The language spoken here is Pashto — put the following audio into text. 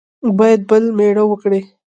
باید بل مېړه وکړي.